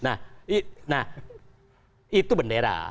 nah itu bendera